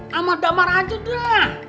sama damar aja dah